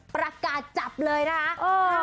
ประกาศจับเลยนะคะ